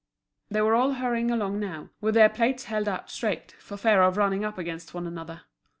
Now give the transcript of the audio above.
They were all hurrying along now, with their plates held out straight, for fear of running up against one another.